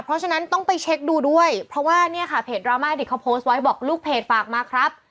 เพราะฉะนั้นต้องไปเช็คดูด้วยเพราะว่าเนี่ยค่ะเพจดราม่าเด็กเขาโพสต์ไว้บอกลูกเพจฝากมาครับ